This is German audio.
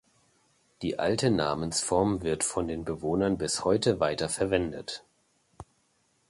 Die alte Namensform wird von den Bewohnern bis heute weiter verwendet.